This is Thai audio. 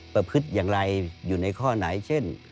ประพฤติอย่างไรอยู่ในข้อไหนเช่น